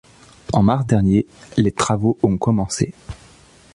En mars dernier, les travaux ont commencé...